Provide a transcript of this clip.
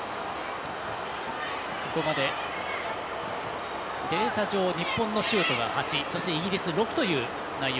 ここまで、データ上日本のシュートが８そしてイギリス６という内容。